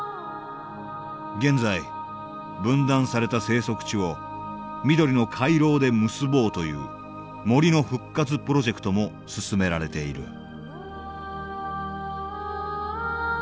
現在分断された生息地を緑の回廊で結ぼうという森の復活プロジェクトも進められている